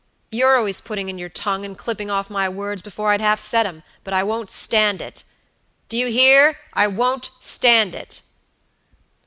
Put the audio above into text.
You're always putting in your tongue and clipping off my words before I've half said 'em; but I won't stand it." "Do you hear? I won't stand it!"